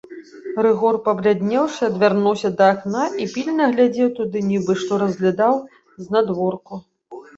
Рыгор, пабляднеўшы, адвярнуўся да акна і пільна глядзеў туды, нібы што разглядаў знадворку.